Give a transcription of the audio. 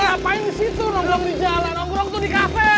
ngapain disitu nonggolong di jalan nonggolong tuh di kafe